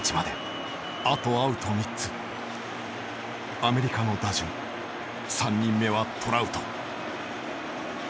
アメリカの打順３人目はトラウト。